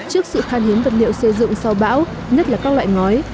trước sự khan hiếm vật liệu xây dựng sau bão nhất là các loại ngói